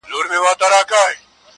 ه ولي په زاړه درد کي پایماله یې~